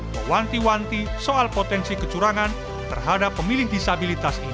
mewanti wanti soal potensi kecurangan terhadap pemilih disabilitas ini